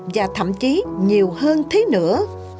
và thậm chí nhiều hơn thế nữa